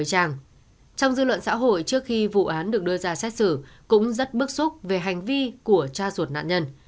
trong dư luận xã hội trước khi vụ án được đưa ra xét xử cũng rất bức xúc về hành vi của cha ruột nạn nhân